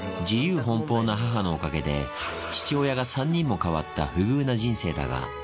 自由奔放な母のおかげで、父親が３人も変わった不遇な人生だが。